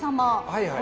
はいはい。